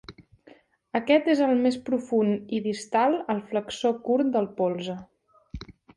Aquest és el més profund i distal al flexor curt del polze.